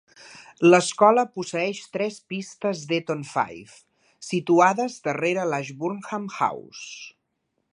L'escola posseeix tres pistes d'Eton Fives, situades darrere l'Ashburnham House.